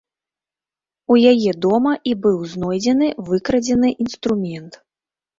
У яе дома і быў знойдзены выкрадзены інструмент.